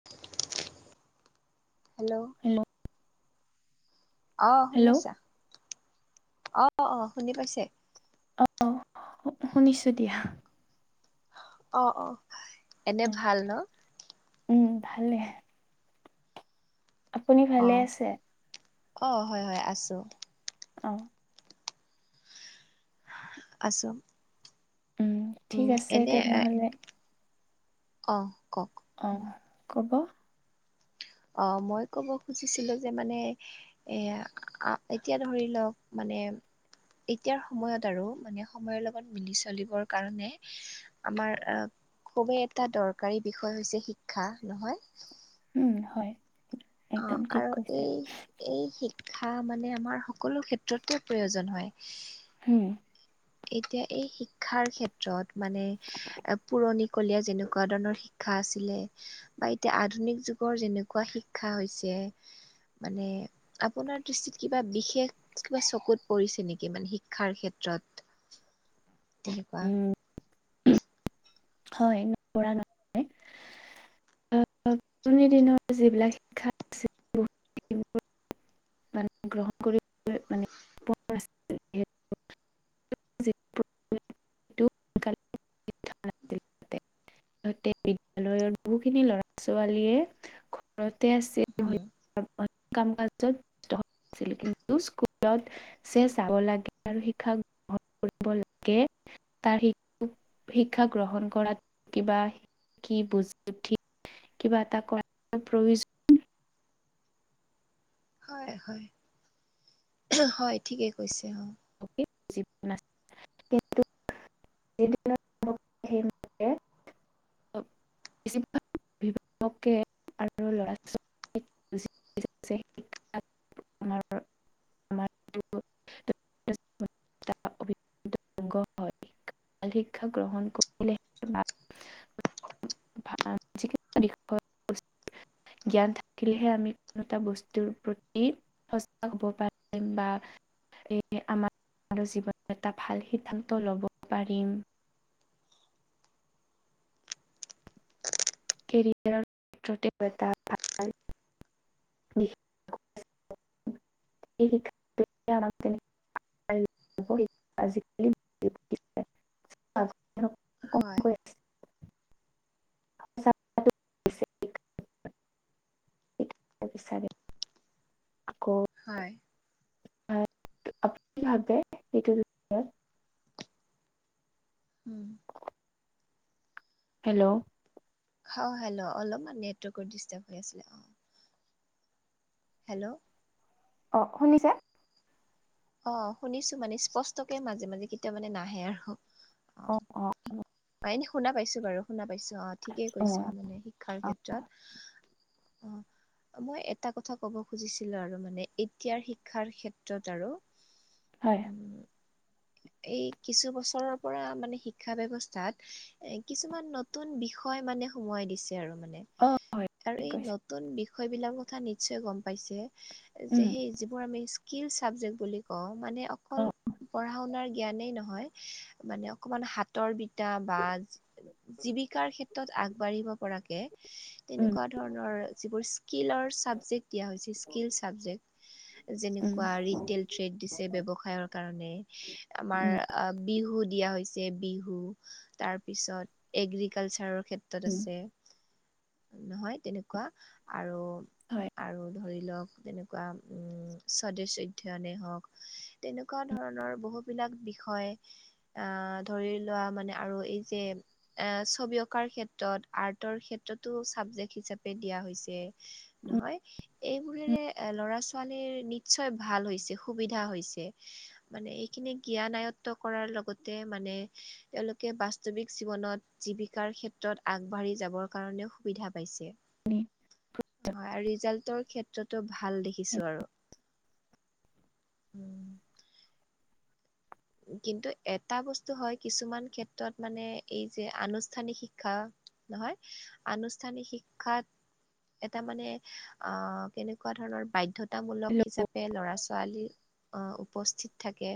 [inaudible] Hello hello অহ', hello শুনিছা, অহ', অহ', শুনি পাইছে? অহ', শুনিছো দিয়া। অ', অ', এনে ভাল ন? উম ভালে। আপুনি অ ভালে আছে। অ', হয়' হয়' আছো। অ' আছো উম উম ঠিক আছে তেনেহ'লে অঁহ', কওক। অ ক'ব অ', মই ক'ব খুজিছিলো যে মানে এয়া এতিয়া ধৰি লওক মানে এতিয়াৰ সময়ত আৰু মানে সময়ৰ লগত মিলি চলিবৰ কাৰণে আমাৰ আহ খুবেই এটা দৰকাৰী বিষয় হৈছে শিক্ষা নহয় উম হয়। একদম অঁ', ঠিক আৰু কৈছে এই এই শিক্ষা মানে আমাৰ সকলো ক্ষেত্ৰতে প্ৰয়োজন হয় উম'। এতিয়া এই শিক্ষাৰ ক্ষেত্ৰত মানে পুৰণিকলীয়া যেনেকুৱা ধৰণৰ শিক্ষা আছিলে বা এতিয়া আধুনিক যুগৰ যেনেকুৱা শিক্ষা হৈছে। মানে আপোনাৰ দৃষ্টিত কিবা বিশেষ কিবা চকুত পৰিছে নেকি মানে শিক্ষাৰ ক্ষেত্ৰত [inaudible] তেনেকুৱা [unintelligible] আজি দিনৰ যিবিলাক শিক্ষা আছিল বহুত মানে গ্ৰহণ কৰিব যিটো [inaudible] সিহতে বিদ্যায়ালয়ৰ বহুখিনি লৰা ছোৱালীয়ে ঘৰতে উম, আছে কাম কাজত আছিলো কিন্তু স্কুলত চে চাব লাগে আৰু শিক্ষাক কৰিব লাগে তাৰ শিক্ষা গ্ৰহণ কৰাত কিবা কি [unintelligible] কিবা এটা কৰা [unintelligible] হয়, হয়, হয়, ঠিকে কৈছে অ'। [inaudible] [inaudible] [inaudible] ছোৱালীক [unintelligible] শিক্ষা গ্রহণ [inaudible] জ্ঞান থাকিলেহে আমি কোনো এটা বস্তুৰ প্ৰতি সজাগ হ'ব পাৰিম বা সেইহে আমাৰ জীৱনত এটা ভাল সিদ্ধান্ত ল'ব পাৰিম। কেৰিয়াৰৰ ক্ষেত্ৰতে এটা ভাল [inaudible] [inaudible] হয় [inaudible] [inaudible] বিচাৰে আকৌ হয়। [inaudible] উম। হেল্ল'। অহ হেল্ল' অলপমান নেটৱৰ্কৰ দিষ্টাৰ্ব হৈ আছিলে অ'। হেল্ল'। অ', শুনিছে? অ', শুনিছো মানে স্পষ্টকে মাজে মাজে কেতিয়া মানে নাহে আৰু। অ', অ', অ'। অ', এনে শুনা পাইছো বাৰু, শুনা পাইছো অ' ঠিকেই অ কৈছা মানে শিক্ষাৰ ক্ষেত্ৰত। অ'। মই এটা কথা ক'ব খুজিছিলো আৰু মানে এতিয়াৰ শিক্ষাৰ ক্ষেত্ৰত আৰু। হয় উম এই কিছু বছৰৰ পৰা মানে শিক্ষা ব্যৱস্থাত এ কিছুমান ন নতুন বিষয় মানে সোমোৱাই দিছ আৰু মানে। অ হয় আৰু ঠিক এই কৈছে নতুন বিষয়বিলাক কথা নিশ্চয় গম পাইছেই। উম যে সেই যিবোৰ আমি স্কিল চাবজেক বুলি কওঁ, মানে অ অকল পঢ়া শুনাৰ জ্ঞানেই নহয় মানে অকণমান হাতৰ বিদ্যা বা জীৱিকাৰ ক্ষেত্ৰত আগবাঢ়িব পৰাকে। উম তেনেকুৱা ধৰণৰ যিবোৰ স্কীলৰ ছাবজেক্ট দিয়া হৈছে স্কীল চাবজেক্ট। উম যেনেকুৱা ৰিটেল ট্ৰেড দিছে ব্যৱসায়ৰ কাৰণে। আমাৰ উম আ বিহু দিয়া হৈছে বিহু তাৰপিছত এগ্ৰিকালচাৰৰ ক্ষেত্ৰ তাত উম আছে নহয় তেনেকুৱা আৰু হয় আৰু ধৰি লওঁক তেনেক উম, স্বদেশ অধ্যয়নে হওঁক, তেনেকুৱা ধৰণৰ বহু বিলাক বিষয় ধৰি লোৱা মানে আৰু এই যে এ ছবি অঁকাৰ ক্ষেত্ৰত আৰ্টৰ ক্ষেত্ৰতো ছাবজেক্ট হিচাপে দিয়া হৈছে নহয়। এইবোৰেৰে এ ল'ৰা ছোৱালীৰ নিশ্চয় ভাল হৈছে সুবিধা হৈছে। মানে খিনি জ্ঞান আয়ত্ত্ব কৰাৰ লগতে মানে তেওঁলোকে বাস্তৱিক জীৱনত জীৱিকাৰ ক্ষেত্ৰত আগবাঢ়ি যাবৰ কাৰণেও সুবিধা পাইছে। আনি হয় আৰু ৰিজাল্টৰ ক্ষেত্ৰতো ভাল দেখিছোঁ আৰু। কিন্তু এটা বস্তু হয় কিছুমান ক্ষেত্ৰত মানে এই যে আনুষ্ঠানিক শিক্ষা নহয় আনুষ্ঠানিক শিক্ষাত এটা মানে আহ কেনেকুৱা ধৰণৰ বাধ্যয়তামূলক হিচাপে ল'ৰা ছোৱালী অহ', উপস্থিত থাকে।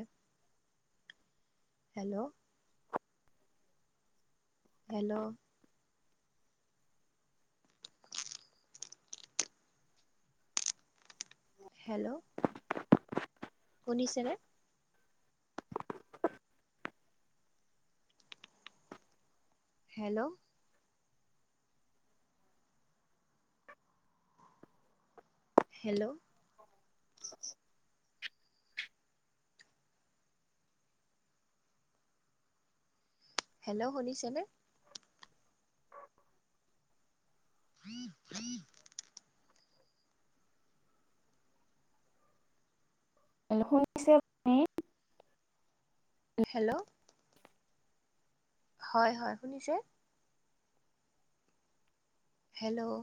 হেল্ল'। Hello hello. শুনিছেনে? হেল্ল' হেল্ল' [inaudible] হেল্ল' শুনিছেনে [inaudible] [inaudible] হেল্লো' শুনিছে? আপুনি হেল্ল' হয় হয় শুনিছে? হেল্ল'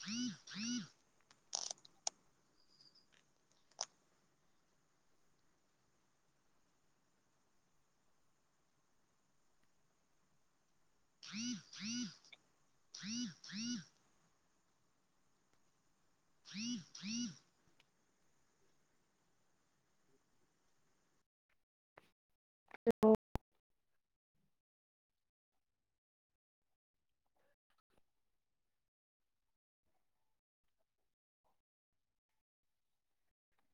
হ [inaudible] থায়ি থি [inaudible] আহ আহ [unintelligible] ফিৰ ফাইিৰ [inaudible] অ